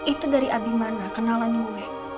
itu dari abimana kenalan gue